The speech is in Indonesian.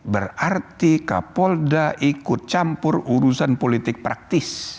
berarti kapolda ikut campur urusan politik praktis